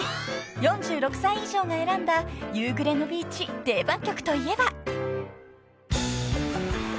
［４６歳以上が選んだ夕暮れのビーチ定番曲といえば］